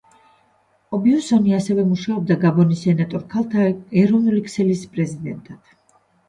ობიუსონი ასევე მუშაობდა გაბონის სენატორ ქალთა ეროვნული ქსელის პრეზიდენტად.